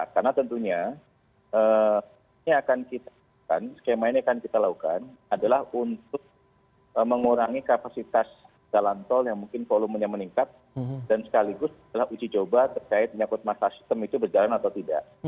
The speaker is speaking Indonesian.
karena tentunya skema ini akan kita lakukan adalah untuk mengurangi kapasitas jalan tol yang mungkin volumenya meningkat dan sekaligus telah uji coba terkait nyakut masa sistem itu berjalan atau tidak